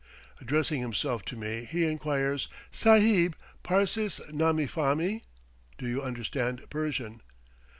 Addressing himself to me, he inquires: "Sahib, Parses namifami?" (Do you understand Persian?)